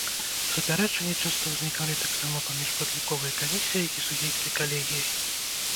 Супярэчанні часта ўзнікалі таксама паміж падліковай камісіяй і судзейскай калегіяй.